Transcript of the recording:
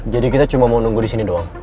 jadi kita cuma mau nunggu disini deh